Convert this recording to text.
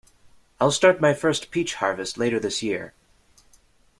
I'll start my first peach harvest later this year.